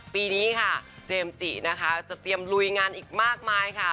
ปีนี้ค่ะเจมส์จินะคะจะเตรียมลุยงานอีกมากมายค่ะ